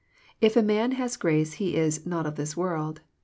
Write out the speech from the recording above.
If a man has grace he is " not of this world."